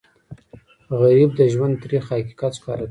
غریب د ژوند تریخ حقیقت ښکاره کوي